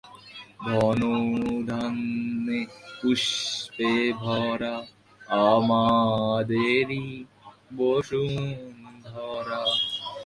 খুলনা জিলা স্কুলে তার প্রাথমিক শিক্ষা।